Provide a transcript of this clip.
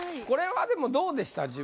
これはでもどうでした？